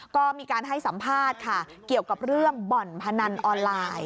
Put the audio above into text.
ก็มีการให้สัมภาษณ์ค่ะเกี่ยวกับเรื่องบ่อนพนันออนไลน์